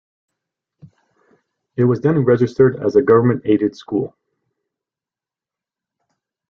It was then registered as a government-aided school.